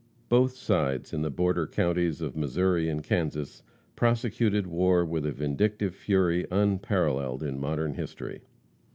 Both sides in the border counties of Missouri and Kansas prosecuted war with a vindictive fury unparalleled in modern history.